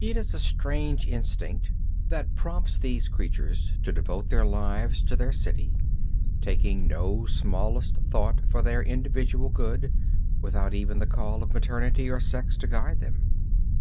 It is a strange instinct that prompts these creatures to devote their lives to their city, taking no smallest thought for their individual good, without even the call of maternity or sex to guide them.